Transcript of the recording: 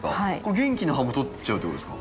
元気な葉も取っちゃうってことですか？